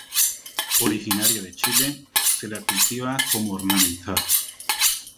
Originaria de Chile, se la cultiva como ornamental.